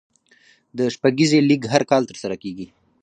د شپږیزې لیګ هر کال ترسره کیږي.